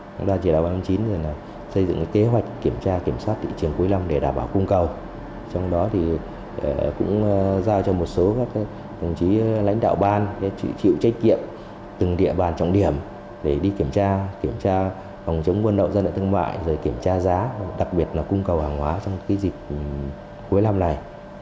chúng tôi chỉ đào bán chính là xây dựng kế hoạch kiểm tra kiểm soát thị trường cuối năm để đảm bảo cung cầu trong đó thì cũng giao cho một số các lãnh đạo ban chịu trách nhiệm từng địa bàn trọng điểm để đi kiểm tra kiểm tra phòng chống quân đội dân đại thương mại rồi kiểm tra giá đặc biệt là cung cầu hàng hóa trong dịp cuối năm này